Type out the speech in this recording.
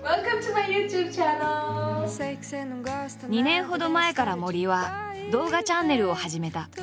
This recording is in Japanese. ２年ほど前から森は動画チャンネルを始めた。